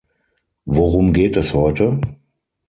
Worum geht es heute?